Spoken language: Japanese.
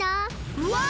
うわ！